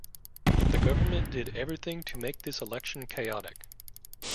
The government did everything to make this election chaotic.